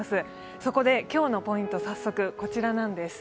そこで今日のポイント、早速こちらなんです。